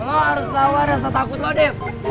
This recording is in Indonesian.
lo harus lawan yang takut lo nadi